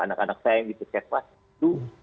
anak anak saya yang dipercepat itu